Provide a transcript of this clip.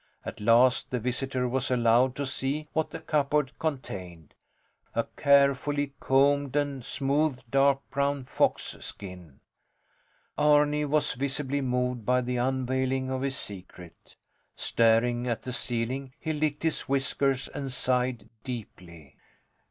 At last the visitor was allowed to see what the cupboard contained a carefully combed and smoothed dark brown fox skin. Arni was visibly moved by the unveiling of his secret. Staring at the ceiling, he licked his whiskers and sighed deeply.